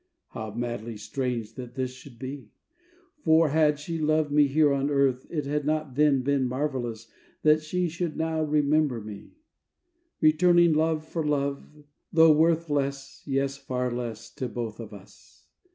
How madly strange that this should be! For, had she loved me here on Earth, It had not then been marvelous That she should now remember me, Returning love for love, though worth Less, yes, far less to both of us.